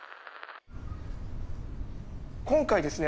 ・今回ですね